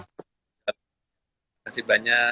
terima kasih banyak